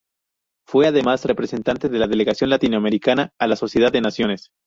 Fue además representante de la delegación latinoamericana a la Sociedad de Naciones.